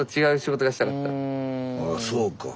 ああそうか。